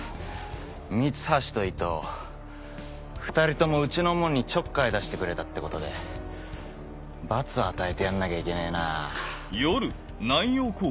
三橋と伊藤２人ともうちの者にちょっかい出してくれたってことで罰を与えてやんなきゃいけねえな。